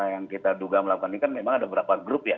yang kita duga melakukan ini kan memang ada beberapa grup ya